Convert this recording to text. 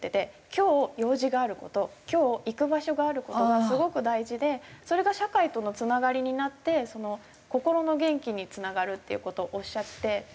「きょう用事がある事」「きょう行く場所がある事」がすごく大事でそれが社会とのつながりになって心の元気につながるっていう事をおっしゃってて。